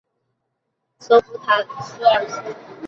基督教使徒保罗出生于当时奇里乞亚的首府塔尔苏斯。